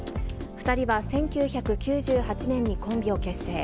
２人は１９９８年にコンビを結成。